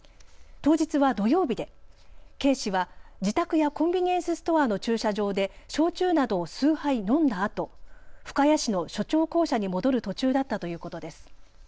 当日は土曜日で警視は自宅やコンビニエンスストアの駐車場で焼酎などを数杯飲んだあと深谷市の署長公舎に戻る途中だったということです。